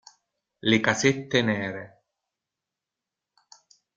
Le casette nere.